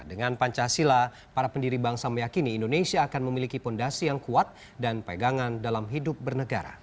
dengan pancasila para pendiri bangsa meyakini indonesia akan memiliki fondasi yang kuat dan pegangan dalam hidup bernegara